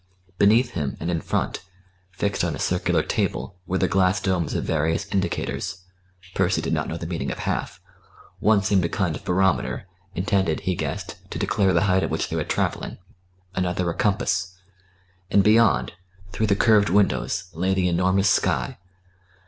Beneath him and in front, fixed on a circular table, were the glass domes of various indicators Percy did not know the meaning of half one seemed a kind of barometer, intended, he guessed, to declare the height at which they were travelling, another a compass. And beyond, through the curved windows, lay the enormous sky.